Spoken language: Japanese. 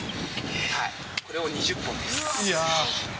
これを２０本です。